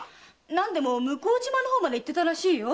何でも向島まで行ってたらしいよ。